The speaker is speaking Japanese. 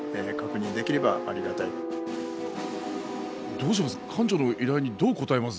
どうします？